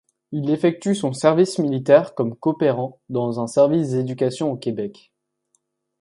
Il effectue son service militaire comme coopérant dans un service d'éducation au Québec.